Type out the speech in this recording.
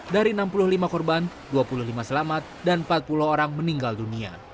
dari enam puluh lima korban dua puluh lima selamat dan empat puluh orang meninggal dunia